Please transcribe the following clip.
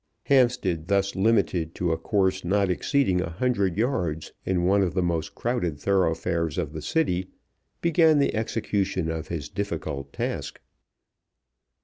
Hampstead, thus limited to a course not exceeding a hundred yards in one of the most crowded thoroughfares of the City, began the execution of his difficult task.